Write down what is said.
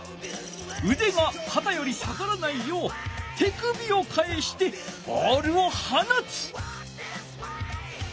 うでがかたより下がらないよう手首をかえしてボールをはなつ。